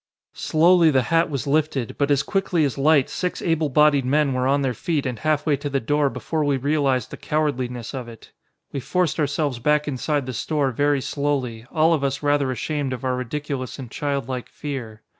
Slowly the hat was lifted, but as quickly as light six able bodied men were on their feet and half way to the door before we realized the cowardliness of it. We forced ourselves back inside the store very slowly, all of us rather ashamed of our ridiculous and childlike fear.